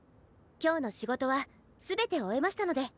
今日の仕事は全て終えましたので。